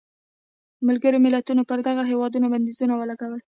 ملګرو ملتونو پر دغه هېواد بندیزونه ولګول.